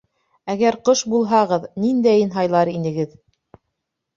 Әгәр ҡош булһағыҙ, ниндәйен һайлар инегеҙ?